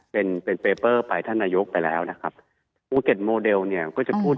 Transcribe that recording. เป็นเป็นไปท่านนายกไปแล้วนะครับภูเก็ตเนี้ยก็จะพูด